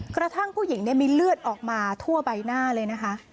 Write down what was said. กระทั่งผู้หญิงมีเลือดออกมาทั่วใบหน้าเลยนะคะ